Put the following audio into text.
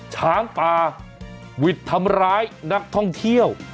ช้างป่าหวิดทำร้ายนักท่องเที่ยว